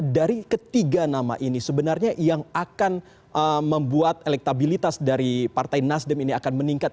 dari ketiga nama ini sebenarnya yang akan membuat elektabilitas dari partai nasdem ini akan meningkat